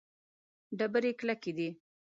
ډبرې کلکې دي.